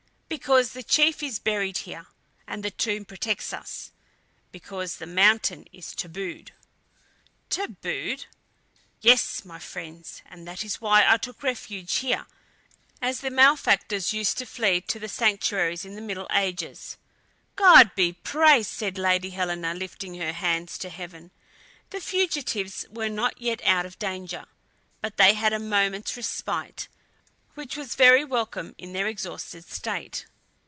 "Because the chief is buried here, and the tomb protects us, because the mountain is tabooed." "Tabooed?" "Yes, my friends! and that is why I took refuge here, as the malefactors used to flee to the sanctuaries in the middle ages." "God be praised!" said Lady Helena, lifting her hands to heaven. The fugitives were not yet out of danger, but they had a moment's respite, which was very welcome in their exhausted state.